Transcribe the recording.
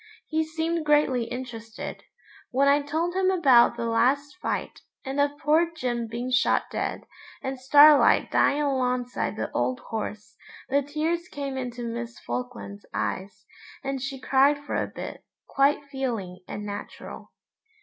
He seemed greatly interested. When I told him about the last fight, and of poor Jim being shot dead, and Starlight dying alongside the old horse, the tears came into Miss Falkland's eyes, and she cried for a bit, quite feeling and natural.